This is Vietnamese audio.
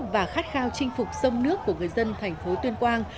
và khát khao chinh phục sông nước của người dân thành phố tuyên quang